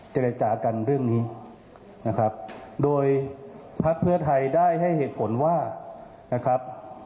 เจรจากันเรื่องนี้นะครับโดยพักเพื่อไทยได้ให้เหตุผลว่านะครับ